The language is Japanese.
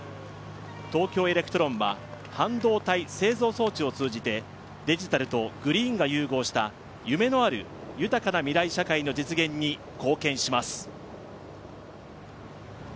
東京エレクトロンは半導体製造装置を通じてデジタルとグリーンを融合した夢のある豊かな未来の実現に貢献していきます。